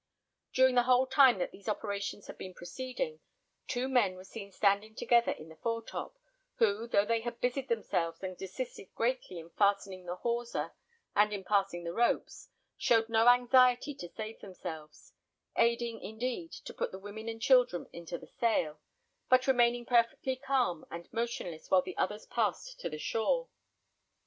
During the whole time that these operations had been proceeding, two men were seen standing together in the fore top, who, though they had busied themselves and assisted greatly in fastening the hawser and in passing the ropes, showed no anxiety to save themselves; aiding, indeed, to put the women and children into the sail, but remaining perfectly calm and motionless while the others passed to the shore.